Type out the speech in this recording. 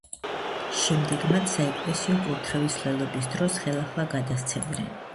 შემდეგ მათ საეკლესიო კურთხევის მსვლელობის დროს ხელახლა გადასცემდნენ.